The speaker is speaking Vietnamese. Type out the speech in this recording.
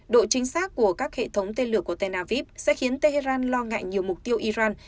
độ chính xác của các hệ thống tên lửa của tel aviv sẽ khiến tehran lo ngại nhiều mục tiêu iran